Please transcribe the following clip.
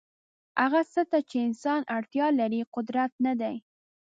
هغه څه ته چې انسان اړتیا لري قدرت نه دی.